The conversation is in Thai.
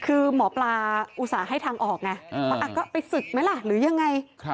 คือหมอปลาอุตส่าห์ให้ทางออกไงว่าก็ไปศึกไหมล่ะหรือยังไง